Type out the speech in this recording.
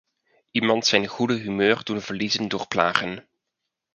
Iemand zijn goede humeur doen verliezen door plagen.